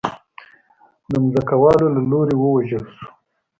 د ځمکوالو له لوري ووژل شو.